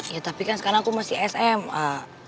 ya tapi kan sekarang aku masih sma